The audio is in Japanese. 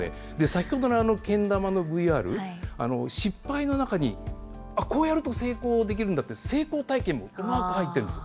先ほどのけん玉のＶＲ、失敗の中に、あっ、こうやると成功できるんだって、成功体験もうまく入ってるんです。